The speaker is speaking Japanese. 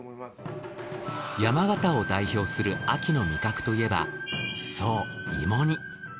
山形を代表する秋の味覚といえばそう芋煮。